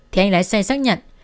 thì anh lái xe xác nhận